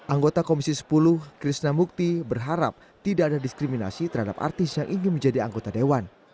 anggota komisi sepuluh krishna mukti berharap tidak ada diskriminasi terhadap artis yang ingin menjadi anggota dewan